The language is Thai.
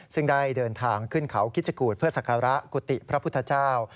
ซึ่งได้เดินทางขึ้นเขาคิดจกูธเพื่อศักระกุฏิพระพุทธเจ้า